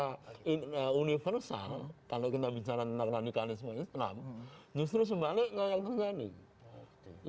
asumsi yang secara universal kalau kita bicara tentang radikalisme islam justru sebaliknya yang tersendiri